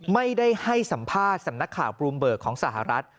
ไม่ได้ให้สัมภาษณ์สำนักข่าวบรูมเบิกของสหรัฐ